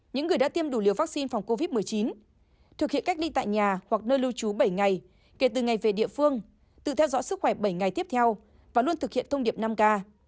những người đã tiêm đủ liều vaccine phòng covid một mươi chín thực hiện cách ly tại nhà hoặc nơi lưu trú bảy ngày kể từ ngày về địa phương tự theo dõi sức khỏe bảy ngày tiếp theo và luôn thực hiện thông điệp năm k